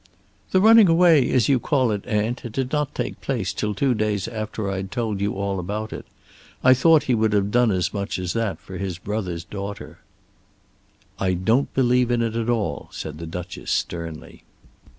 "The running away, as you call it, aunt, did not take place till two days after I had told you all about it. I thought he would have done as much as that for his brother's daughter." "I don't believe in it at all," said the Duchess sternly.